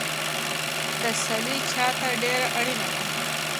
تسلي چا ته ډېره اړینه ده؟